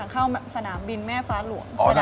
เข้าสนามบินแม่ฟ้าหลวง